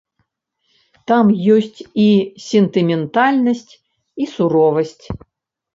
Там ёсць і сентыментальнасць, і суровасць.